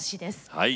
はい。